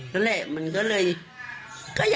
เนี่ยพลิกสิ่งเนี่ย